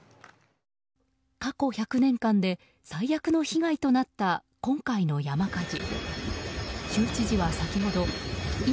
過去１００年間で最悪の被害となった今回の山火事。